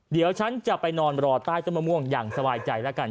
เดี๋ยวฉันจะไปนอนรอใต้ต้นมะม่วงอย่างสบายใจแล้วกัน